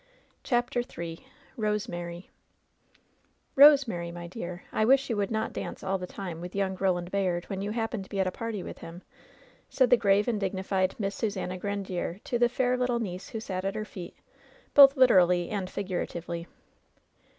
CHAPTER in BOSEMABY 'fRosEMABY, my dear, I widi you would not dance all ihe time with young Roland Bayard when you happen to be at a party with hiin," said the grave and dignified LOVE'S BITTEREST CUP IT Hiss Susannali Grandiere to the fair little niece who sat at her feet, both literally and figuratively.